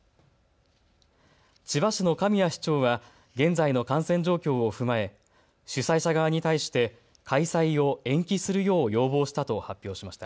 千葉市の神谷市長は現在の感染状況を踏まえ主催者側に対して開催を延期するよう要望したと発表しました。